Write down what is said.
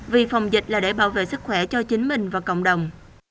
vì phòng dịch là để bảo vệ sức khỏe cho chính mình và cộng đồng